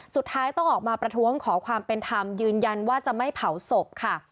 สุดท้ายต้องออกมาประท้วงขอความเป็นธรรมยืนยันว่าจะไม่เผาศพค่ะ